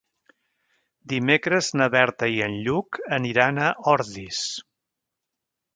Dimecres na Berta i en Lluc aniran a Ordis.